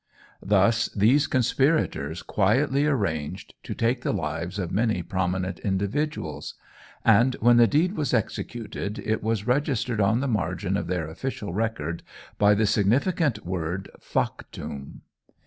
Thus these conspirators quietly arranged to take the lives of many prominent individuals; and when the deed was executed, it was registered on the margin of their official record by the significant word "Factum."